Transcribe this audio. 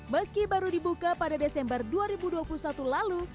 meski baru dibuka pada desember dua ribu dua puluh satu lalu